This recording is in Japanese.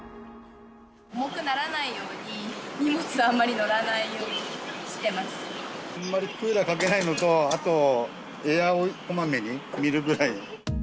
重くならないように、荷物ああんまりクーラーかけないのと、あと、エアをこまめに見るぐらい。